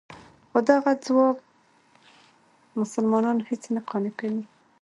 خو دغه ځواب مسلمانان هېڅ نه قانع کوي.